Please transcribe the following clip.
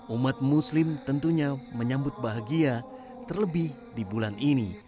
umat muslim tentunya menyambut bahagia terlebih di bulan ini